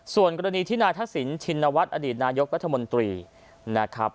ส่วนกรณีที่นายทักษิณชินวัฒน์อดีตนายกรัฐมนตรีนะครับ